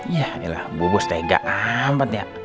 yaelah bu boste gak amat ya